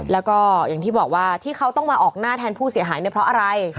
แล้วก็อย่างที่บอกว่าที่เขาต้องมาออกหน้าแทนผู้เสียหายเนี่ยเพราะอะไร